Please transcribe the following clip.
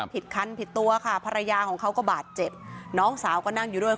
ผิดคันผิดตัวค่ะภรรยาของเขาก็บาดเจ็บน้องสาวก็นั่งอยู่ด้วย